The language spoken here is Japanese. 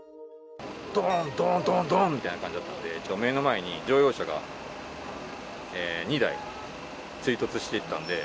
どーんどんどんどんみたいな感じだったんで、目の前に乗用車が２台追突していったんで。